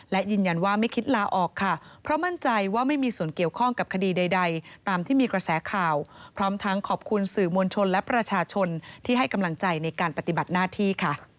และยืนยันว่าไม่คิดลาออกค่ะเพราะมั่นใจว่าไม่มีส่วนเกี่ยวข้องกับคดีใดตามที่มีกระแสข่าวพร้อมทั้งขอบคุณสื่อมวลชนและประชาชนที่ให้กำลังใจในการปฏิบัติหน้าที่ค่ะ